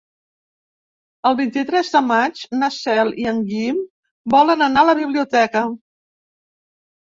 El vint-i-tres de maig na Cel i en Guim volen anar a la biblioteca.